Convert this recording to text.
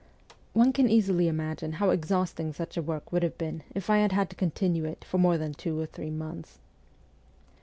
One can easily imagine how exhausting such a work would have been if I had had to continue it for more than two or three months.